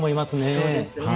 そうですね。